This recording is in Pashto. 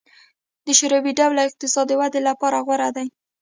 د شوروي ډوله اقتصاد د ودې له پلوه غوره دی